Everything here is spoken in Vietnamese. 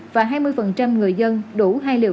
và hai mươi người dân đủ hai mươi